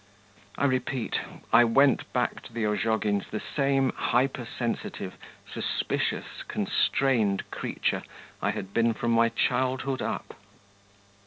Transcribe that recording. I repeat, I went back to the Ozhogins' the same hypersensitive, suspicious, constrained creature I had been from my childhood up....